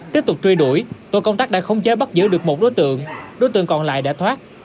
tiếp tục truy đuổi tổ công tác đã khống chế bắt giữ được một đối tượng đối tượng còn lại đã thoát